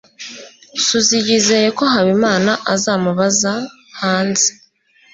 suzy yizeye ko habimana azamubaza hanze